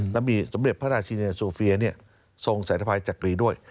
และมีสมเด็จพระราชินีโซเฟียทรงสายทภายจักรีด้วย